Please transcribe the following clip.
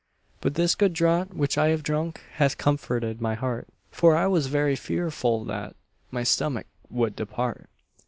But this good draught which I have drunk Hath comforted my heart, For I was very fearful that My stomach would depart.